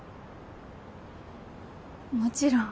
もちろん！